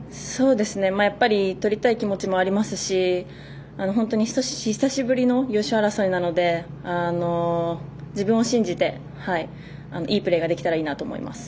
とりたい気持ちもありますし本当に久しぶりの優勝争いなので自分を信じて、いいプレーができたらいいなと思います。